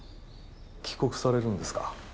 帰国されるんですか？